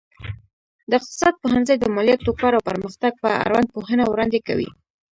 د اقتصاد پوهنځی د مالياتو، کار او پرمختګ په اړوند پوهنه وړاندې کوي.